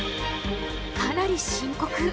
かなり深刻。